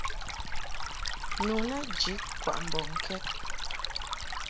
Nu lɛ jid kwaʼ mbɔŋkɛd.